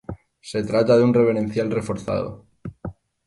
Se trata de un reverencial reforzado.